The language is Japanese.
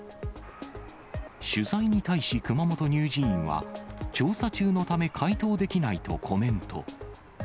取材に対し、熊本乳児院は調査中のため回答できないとコメント。